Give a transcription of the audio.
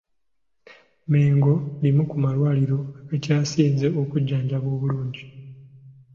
Mengo limu ku malwaliro agakyasinze okujjanjaba obulungi.